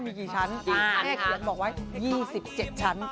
มีกี่ชั้นเลขเขียนบอกไว้๒๗ชั้น